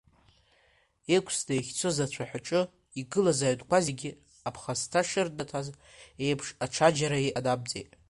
Иқәсны иахьцоз ацәаҳәаҿы игылаз аҩнқәа зегьы аԥхасҭа шырнаҭаз еиԥш аҽаџьара иҟанамҵеит.